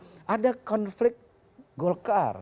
terdapat konflik gulkar